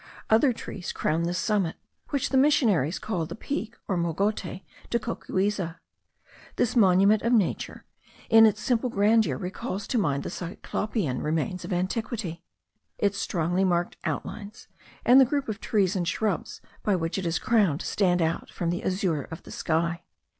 Other trees crown this summit, which the missionaries call the peak, or Mogote de Cocuyza. This monument of nature, in its simple grandeur recalls to mind the Cyclopean remains of antiquity. Its strongly marked outlines, and the group of trees and shrubs by which it is crowned, stand out from the azure of the sky.